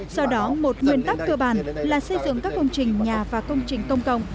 do đó một nguyên tắc cơ bản là xây dựng các công trình nhà và công trình công cộng